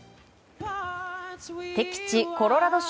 敵地コロラド州